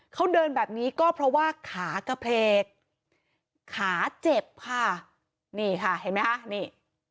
เขาเดินแบบนี้ก็เพราะว่าขากระเพลกขาเจ็บค่ะนี่ค่ะเห็นไหมคะนี่